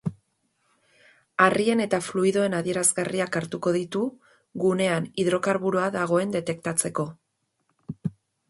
Harrien eta fluidoen adierazgarriak hartuko ditu, gunean hidrokarburoa dagoen detektatzeko.